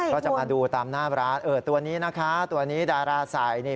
ก็จะมาดูตามหน้าร้านตัวนี้นะคะตัวนี้ดาราใส่